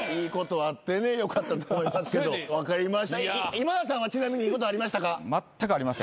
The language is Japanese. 今田さんはちなみにいいことありましたか？